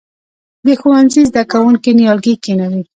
د ښوونځي زده کوونکي نیالګي کینوي؟